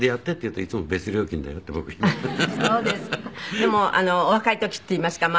でもお若い時っていいますかまあ